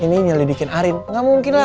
ini ini yang didikin arin ga mungkin lah